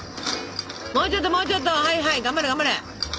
もうちょっともうちょっとはいはい頑張れ頑張れ。